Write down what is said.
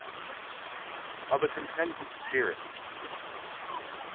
OF A CONTENTED SPIRIT.